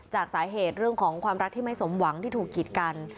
จากสาเหตุเรื่องของความรักที่ไม่สมหวังที่ถูกกีดกัน